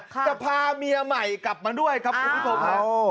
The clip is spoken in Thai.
จะพาเมียใหม่กลับมาด้วยครับคุณผู้ชมฮะ